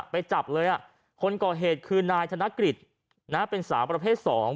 ไปจับเลยคนก่อเหตุคือนายธนกฤษเป็นสาวประเภท๒